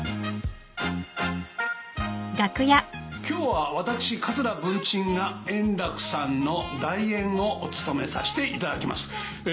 今日は私桂文珍が円楽さんの代演をお務めさしていただきます。